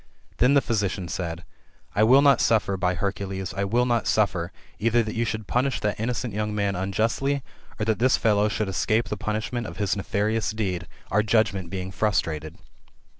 Then the physician said, '* I wiH not suffer, by Hercules, I will hot suffer, either that you should pooiah that innocent young man unjustly, or that this fellow should escape the punishment of his nefarious deed, our judgment being frustrated.